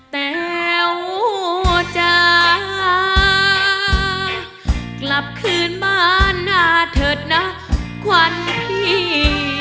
แต๋วจะกลับคืนบ้านหน้าเถิดนะขวัญพี่